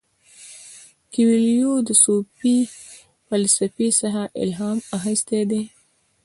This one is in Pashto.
کویلیو د صوفي فلسفې څخه الهام اخیستی دی.